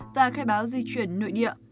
và khai báo di chuyển y tế